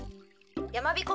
やまびこ